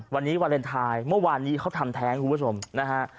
วันนี้วาเลนไทยเมื่อวานนี้เขาทำแท้งคุณผู้ชมนะฮะ